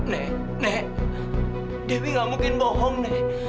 nek nek dewi nggak mungkin bohong nek